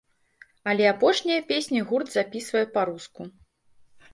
Але апошнія песні гурт запісвае па-руску.